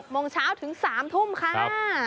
โมงเช้าถึง๓ทุ่มค่ะ